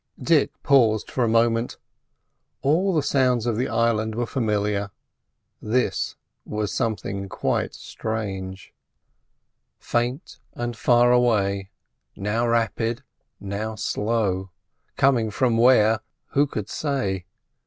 Dick paused for a moment in his work. All the sounds of the island were familiar: this was something quite strange. Faint and far away, now rapid, now slow; coming from where, who could say?